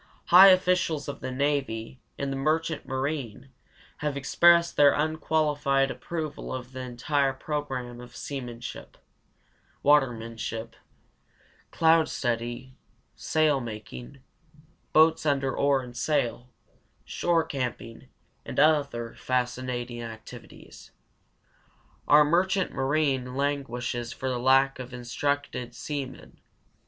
High officials of the Navy and the merchant marine have expressed their unqualified approval of the entire program of seamanship, watermanship, cloud study, sailmaking, boats under oars and sail, shore camping, and the other fascinating activities. Our merchant marine languishes for lack of instructed seamen.